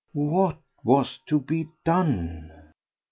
What was to be done?